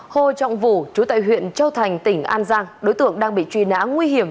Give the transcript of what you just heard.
hồ trọng vũ chú tại huyện châu thành tỉnh an giang đối tượng đang bị truy nã nguy hiểm